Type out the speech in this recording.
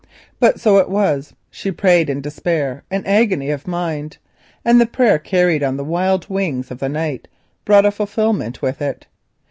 But so it was; she prayed in despair and agony of mind, and the prayer carried on the wild wings of the night brought a fulfilment with it.